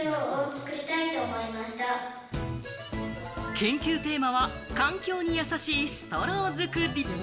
研究テーマは「環境にやさしいストロー作り」。